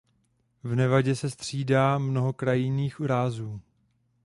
V Nevadě se střídá mnoho krajinných rázů.